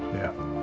bisa pak baik